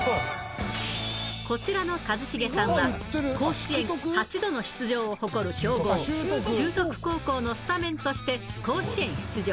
こちらの一成さんは、甲子園８度の出場を誇る強豪、修徳高校のスタメンとして、甲子園出場。